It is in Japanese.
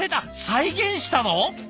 再現したの？